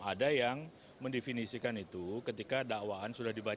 ada yang mendefinisikan itu ketika dakwaan sudah dibaca